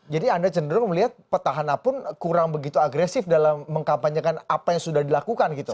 jadi anda cenderung melihat petahana pun kurang begitu agresif dalam mengkampanyekan apa yang sudah dilakukan gitu